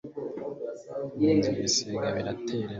munzu ibisiga biratera niye